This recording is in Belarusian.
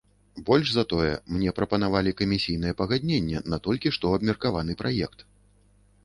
Больш за тое, мне прапанавалі камісійнае пагадненне на толькі што абмеркаваны праект.